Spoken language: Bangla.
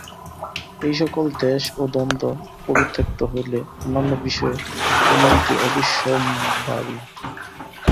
এই-সকল দ্বেষ ও দ্বন্দ্ব পরিত্যক্ত হইলে অন্যান্য বিষয়ে উন্নতি অবশ্যম্ভাবী।